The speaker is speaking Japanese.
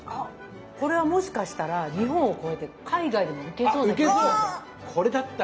これはもしかしたら日本を越えて海外でも受けそうな気がします。